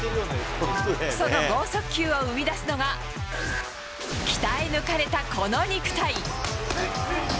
その剛速球を生み出すのは、鍛え抜かれたこの肉体。